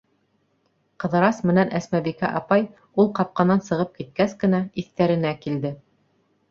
Ҡыҙырас менән Әсмәбикә апай, ул ҡапҡанан сығып киткәс кенә, иҫтәренә килде.